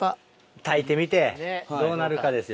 炊いてみてどうなるかですよ。